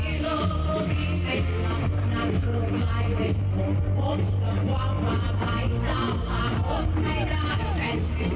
ทุกคนให้ได้แผนกินใจนำรุ่นฟื้นและกล้องน้ำสวย